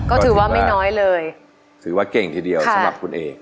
ก็ถือว่าไม่น้อยเลยถือว่าเก่งทีเดียวสำหรับคุณเอก